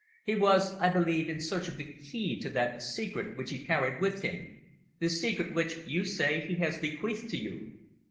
He was, I believe, in search of the key to that secret which he carried with him the secret which, you say, he has bequeathed to you."